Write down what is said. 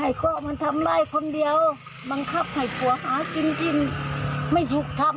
กลัวมันทำได้คนเดียวบังคับให้ผัวหากินกินไม่สุขทำ